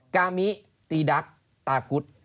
กามิตีดักตากุฏ